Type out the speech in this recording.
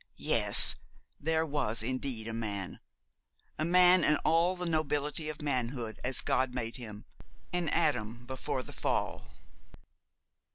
Yes, there was indeed a man a man in all the nobility of manhood, as God made him, an Adam before the Fall.